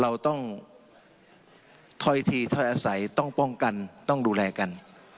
เราต้องถ้อยทีถ้อยอาศัยต้องป้องกันต้องดูแลกัน